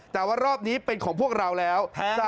แต่ว่ารอบนี้เป็นของพวกเราแล้ว